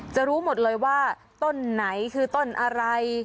จะรู้หมดเลยว่าต้นไหนคือต้นอะไร